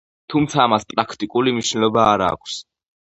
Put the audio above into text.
თუმცა ამას პრაქტიკული მნიშვნელობა არ აქვს.